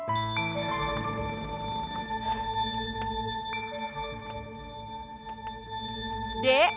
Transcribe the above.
kamu padahal ada dztikslah